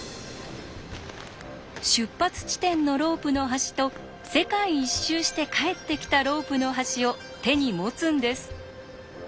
出発地点のロープの端と世界一周して帰ってきたロープの端を手に持つんです。